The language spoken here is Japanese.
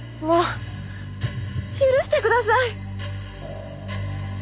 もう許してください！